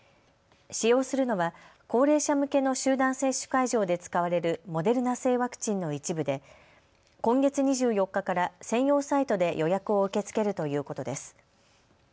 使用するのは高齢者向けの集団接種会場で使われるモデルナ製ワクチンの一部で今月２４日から専用サイトで予約を受け付けるということです。